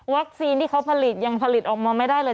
ที่เขาผลิตยังผลิตออกมาไม่ได้เลย